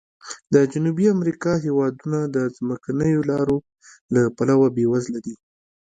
د جنوبي امریکا هېوادونه د ځمکنیو لارو له پلوه بې وزلي دي.